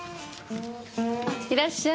いらっしゃい。